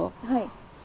はい。